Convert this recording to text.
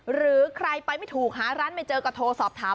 หรือใครไปไม่ถูกหาร้านไม่เจอก็โทรสอบถาม